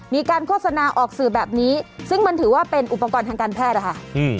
โฆษณาออกสื่อแบบนี้ซึ่งมันถือว่าเป็นอุปกรณ์ทางการแพทย์นะคะ